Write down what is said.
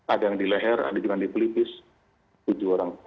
ada yang di leher ada juga yang di pelipis tujuh orang